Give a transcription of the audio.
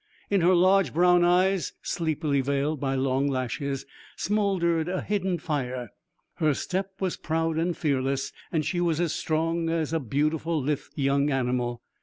In her large brown eyes, sleepily veiled by long lashes, smouldered a hidden fire: her step was proud and fearless, and she was as strong as a beautiful lithe young animal.